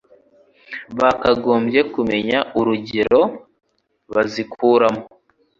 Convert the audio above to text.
bakagombye kumenya urugero bazikoramo